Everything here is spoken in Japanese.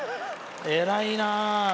偉いな。